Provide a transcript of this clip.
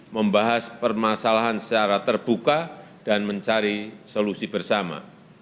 membahas permasalahan secara terbuka dan mencari solusi bersama